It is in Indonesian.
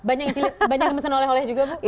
banyak yang dimesan oleh oleh juga ibu